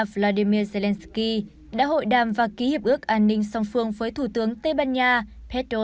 vladimir zelensky đã hội đàm và ký hiệp ước an ninh song phương với thủ tướng tây ban nha pedro